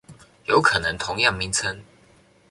有可能同樣名稱